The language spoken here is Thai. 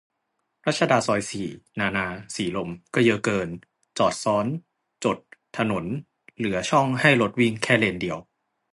รัชดาซอยสี่ นานา สีลม ก็เยอะเกิน จอดซ้อนจดถนนเหลือช่องให้รถวิ่งแค่เลนเดียว